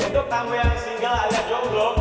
untuk tamu yang single alias jonglo